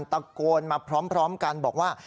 ตะโกนมาพร้อมกันบอกว่า